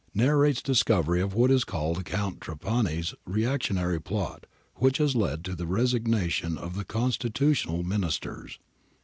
] Narrates discovery of what is called Count Frapaai's re actionary plot, which has led to the resignation of the constitu tional Ministers.